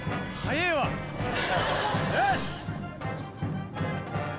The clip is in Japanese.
よし！